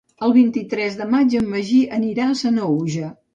El vint-i-tres de maig en Magí anirà a Sanaüja.